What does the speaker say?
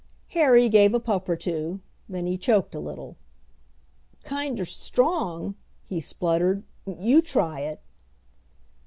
Harry gave a puff or two. Then he choked a little. "Kinder strong," he spluttered. "You try it!"